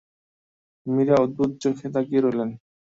মীরা অদ্ভুত চোখে তাকিয়ে রইলেন।